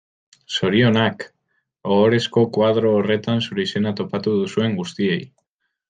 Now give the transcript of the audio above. Zorionak ohorezko koadro horretan zure izena topatu duzuen guztiei.